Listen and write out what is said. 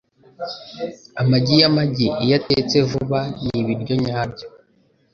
Amagi yamagi, iyo atetse vuba, ni ibiryo nyabyo.